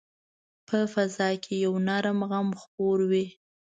په فضا کې یو نرم غم خپور وي